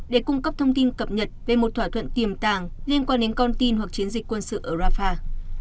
để cung cấp thông tin cập nhật về một thỏa thuận tiềm tàng liên quan đến con tin hoặc chiến dịch quân sự ở rafah